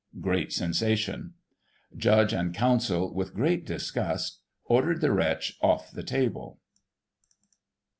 (Great sensation.) Judge and Counsel, with great disgust, ordered the wretch off the table.